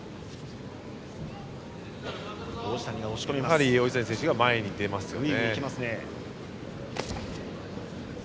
やはり王子谷選手が前に出ますよね。